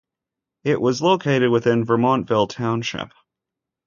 It is located within Vermontville Township.